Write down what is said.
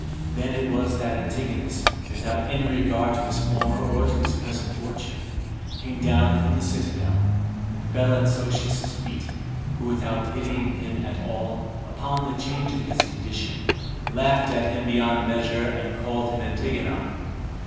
Then it was that Antigonus, without any regard to his former or to his present fortune, came down from the citadel, and fell at Sosius's feet, who without pitying him at all, upon the change of his condition, laughed at him beyond measure, and called him Antigona.